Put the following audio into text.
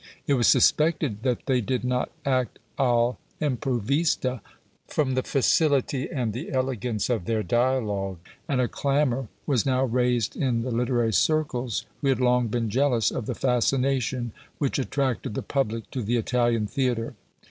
It was suspected that they did not act all' improvista, from the facility and the elegance of their dialogue; and a clamour was now raised in the literary circles, who had long been jealous of the fascination which attracted the public to the Italian theatre.